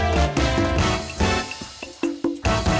ส่องให้